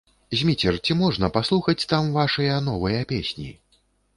Зміцер, ці можна паслухаць там вашыя новыя песні?